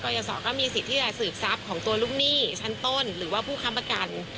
ยศก็มีสิทธิ์ที่จะสืบทรัพย์ของตัวลูกหนี้ชั้นต้นหรือว่าผู้ค้ำประกัน